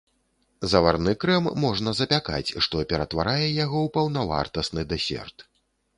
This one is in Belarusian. Заварны крэм можна запякаць, што ператварае яго ў паўнавартасны дэсерт.